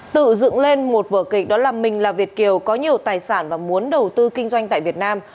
tự dựng lên một vở kịch đó là mình là việt kiều có nhiều tài sản mà muốn đầu tư kinh doanh tại việt nam